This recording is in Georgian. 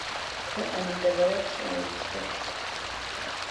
ქვეყანა მდებარეობს კარიბის ზღვაში.